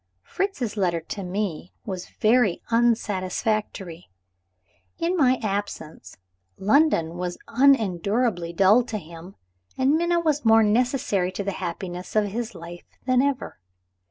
Fritz's letter to me was very unsatisfactory. In my absence, London was unendurably dull to him, and Minna was more necessary to the happiness of his life than ever.